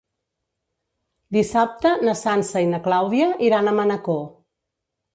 Dissabte na Sança i na Clàudia iran a Manacor.